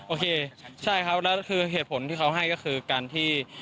โอเคใช่ครับแล้วคือเหตุผลที่เขาให้ก็คือการที่